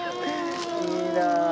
いいなあ。